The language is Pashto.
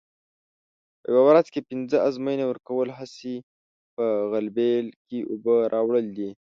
په یوه ورځ کې پینځه ازموینې ورکول هسې په غلبېل کې اوبه راوړل دي.